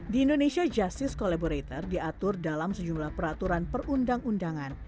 di indonesia justice collaborator diatur dalam sejumlah peraturan perundang undangan